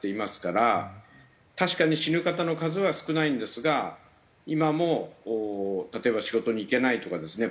確かに死ぬ方の数は少ないんですが今も例えば仕事に行けないとかですね